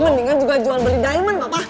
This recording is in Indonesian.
mendingan juga jual beli diamond bapak